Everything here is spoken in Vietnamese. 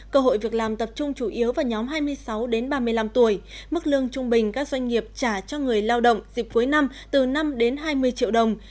cơ hội việc làm tập trung chủ yếu vào nhóm hai mươi sáu ba mươi năm tuổi mức lương trung bình các doanh nghiệp trả cho người lao động dịp cuối năm từ năm đến hai mươi triệu đồng